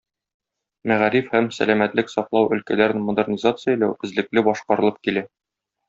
Мәгариф һәм сәламәтлек саклау өлкәләрен модернизацияләү эзлекле башкарылып килә.